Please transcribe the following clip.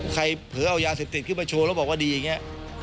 เผลอเอายาเสพติดขึ้นมาโชว์แล้วบอกว่าดีอย่างนี้